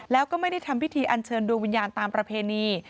แล้วก็ไม่ได้ทำพิธีอันเชิญดวงวิญญาณตามประเพณี